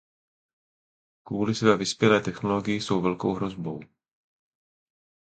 Kvůli své vyspělé technologii jsou velkou hrozbou.